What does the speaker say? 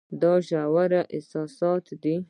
دا ژور احساسات دي.